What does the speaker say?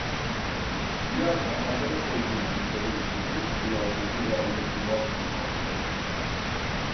Hulasa arkadaş olduğum kimseler için pek bunaltıcı ve anlaşılmaz bir mahlukum…